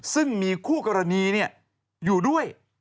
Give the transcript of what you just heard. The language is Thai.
ซึ่งมีคู่กรณีอยู่ด้วย